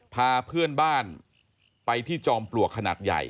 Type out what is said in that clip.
พาเพื่อนบ้านไปที่จอมปลวกขนาดใหญ่